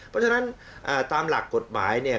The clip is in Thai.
เพราะฉะนั้นตามหลักกฎหมายเนี่ย